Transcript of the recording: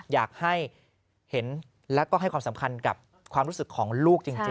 อยากให้เห็นแล้วก็ให้ความสำคัญกับความรู้สึกของลูกจริง